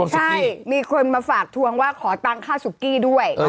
ใช่มีคนมาฝากทวงว่าขอตังค่าสุกี้ด้วย